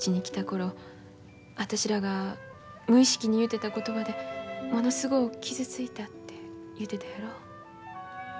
頃私らが無意識に言うてた言葉でものすごう傷ついたて言うてたやろ。